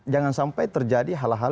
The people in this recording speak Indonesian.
jangan sampai terjadi halahalian